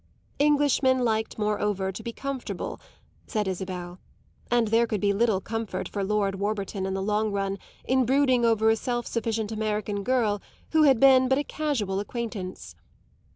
Englishmen liked moreover to be comfortable, said Isabel, and there could be little comfort for Lord Warburton, in the long run, in brooding over a self sufficient American girl who had been but a casual acquaintance.